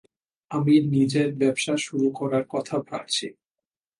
আমি নিজের ব্যবসা শুরু করার কথা ভাবছি।